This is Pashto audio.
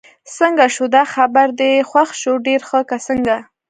څنګه شو، دا خبر دې خوښ شو؟ ډېر ښه، که څنګه؟